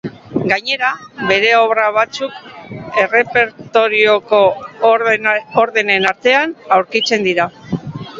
Gainera, bere obra batzuk errepertorioko onenen artean aurkitzen dira.